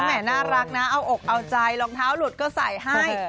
แม่น่ารักนะเอาอกเอาใจรองเท้าหลุดก็ใส่ให้